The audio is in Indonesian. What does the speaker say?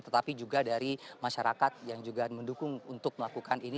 tetapi juga dari masyarakat yang juga mendukung untuk melakukan ini